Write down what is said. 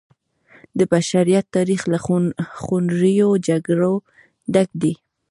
د بشریت تاریخ له خونړیو جګړو ډک دی.